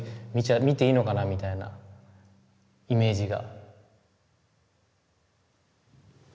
見ていいのかなみたいなイメージが。